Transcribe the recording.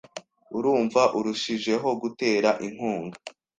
Urumva urushijeho gutera inkunga?